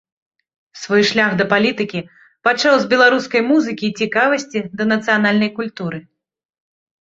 Свой шлях да палітыкі пачаў з беларускай музыкі і цікавасці да нацыянальнай культуры.